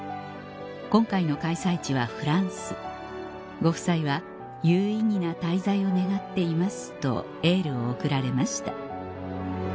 今回の開催地はフランスご夫妻は「有意義な滞在を願っています」とエールを送られました